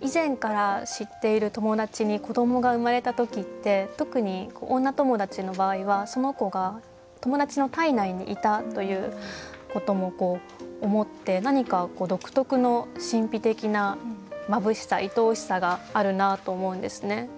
以前から知っている友達に子どもが生まれた時って特に女友達の場合はその子が友達の体内にいたということも思って何か独特の神秘的なまぶしさいとおしさがあるなと思うんですね。